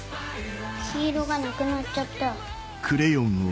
黄色がなくなっちゃった。